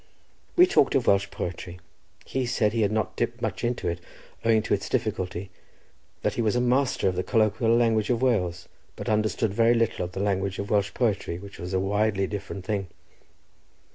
We talked of Welsh poetry; he said he had not dipped much into it, owing to its difficulty; that he was master of the colloquial language of Wales, but understood very little of the language of Welsh poetry, which was a widely different thing.